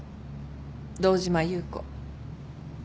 堂島優子。